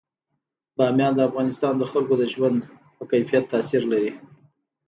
بامیان د افغانستان د خلکو د ژوند په کیفیت تاثیر لري.